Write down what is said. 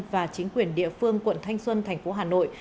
và chính quyền địa phương quận thanh xuân thành phố hà nội